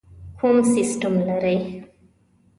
کوم سیسټم لرئ؟